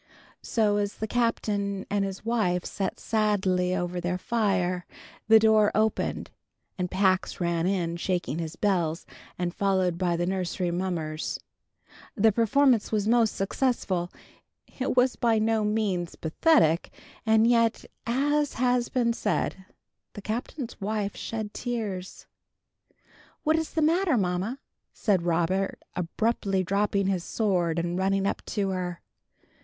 So as the Captain and his wife sat sadly over their fire, the door opened, and Pax ran in shaking his bells, and followed by the nursery mummers. The performance was most successful. It was by no means pathetic, and yet, as has been said, the Captain's wife shed tears. "What is the matter, mamma?" said Robert, abruptly dropping his sword and running up to her.